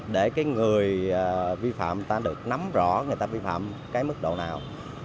để cái người vi phạm người ta được nắm rõ người ta vi phạm cái mức độ nào